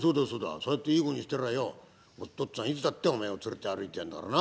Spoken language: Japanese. そうやっていい子にしてりゃよお父っつぁんいつだってお前を連れて歩いてやるんだからな。